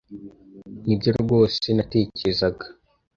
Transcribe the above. Nibyo rwose natekerezaga.